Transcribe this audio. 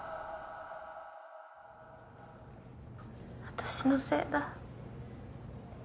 私のせいだ。